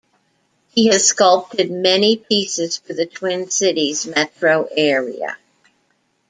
He has sculpted many pieces for the Twin Cities Metro area.